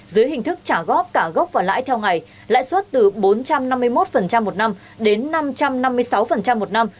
dưới hình thức trả góp cả gốc và lãi theo ngày lãi suất từ bốn trăm năm mươi một một năm đến năm trăm năm mươi sáu một năm